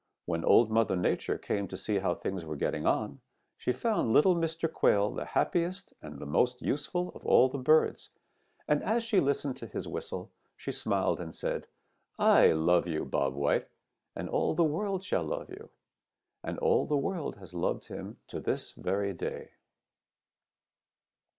When Old Mother Nature came to see how things were getting on, she found little Mr. Quail the happiest and the most useful of all the birds, and as she listened to his whistle, she smiled and said: 'I love you, Bob White, and all the world shall love you.' And all the world has loved him to this very day."